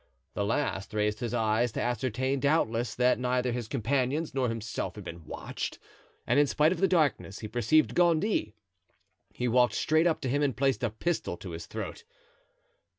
The last raised his eyes, to ascertain, doubtless, that neither his companions nor himself had been watched, and, in spite of the darkness, he perceived Gondy. He walked straight up to him and placed a pistol to his throat.